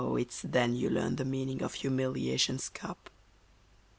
it's then you learn the meaning of humiliation's cup.